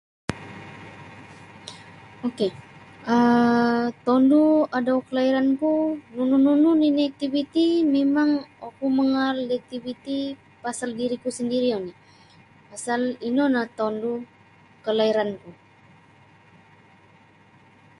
Ok um tondu' adau kalairanku nunu-nunu nini' iktiviti mimang oku mangaal da iktiviti pasal diriku sendiri oni' pasal ino no tondu kalairanku.